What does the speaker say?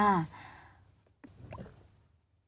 อ่า